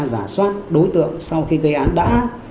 giả soát đối tượng sau khi gây án đã